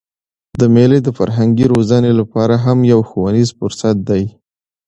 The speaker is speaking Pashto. مېلې د فرهنګي روزني له پاره هم یو ښوونیز فرصت دئ.